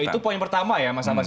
oke itu poin pertama ya mas abas